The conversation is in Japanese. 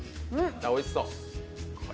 おいしそう。